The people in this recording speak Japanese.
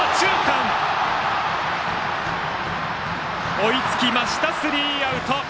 追いつきましたスリーアウト！